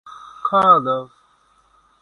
Chkalov.